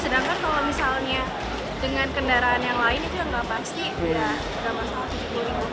sedangkan kalau misalnya dengan kendaraan yang lain itu yang nggak pasti